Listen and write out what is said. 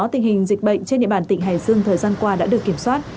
tình hình dịch bệnh trên địa bàn tỉnh hải dương thời gian qua đã được kiểm soát